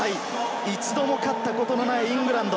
一度も勝ったことのないイングランド。